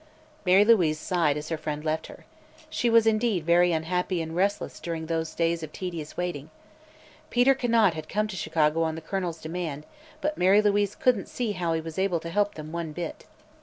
Mary Louise sighed as her friend left her. She was indeed very unhappy and restless during those days of tedious waiting. Peter Conant had come to Chicago on the Colonel's demand, but Mary Louise couldn't see how he was able to help them one bit.